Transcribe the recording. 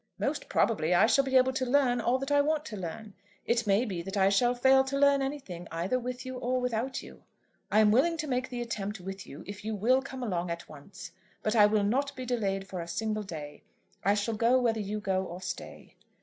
"Most probably I shall be able to learn all that I want to learn. It may be that I shall fail to learn anything either with you or without you. I am willing to make the attempt with you if you will come along at once; but I will not be delayed for a single day. I shall go whether you go or stay."